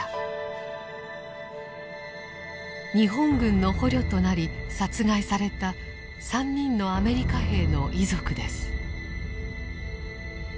日本軍の捕虜となり殺害された３人のアメリカ兵の遺族です。